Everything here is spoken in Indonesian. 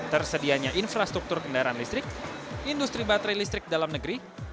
tersedianya infrastruktur kendaraan listrik industri baterai listrik dalam negeri